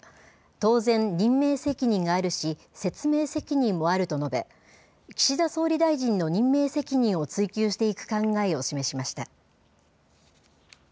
当然、任命責任があるし、説明責任もあると述べ、岸田総理大臣の任命責任を追及していく考えを示しました。